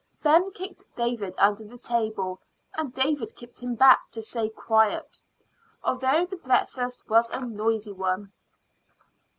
Ben kicked David under the table, and David kicked him back to stay quiet. Altogether the breakfast was a noisy one.